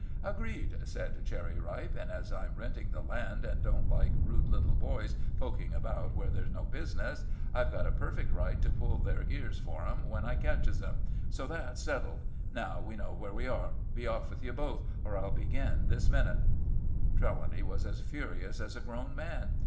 "Agreed," said Cherry Ripe; "and as I'm renting the land, and don't like rude little boys poking about where they've no business, I've got a perfect right to pull their ears for 'em when I catches 'em. So that's settled. Now we know where we are. Be off with you both, or I'll begin this minute!" Trelawny was as furious as a grown man.